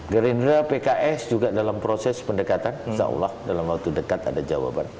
gerindra pks juga dalam proses pendekatan insya allah dalam waktu dekat ada jawaban